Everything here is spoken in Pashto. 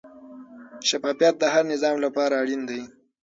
شفافیت د هر نظام لپاره اړین دی.